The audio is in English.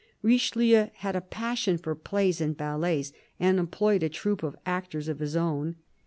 Richelieu had a passion for plays and ballets, and employed a troup of actors of his own.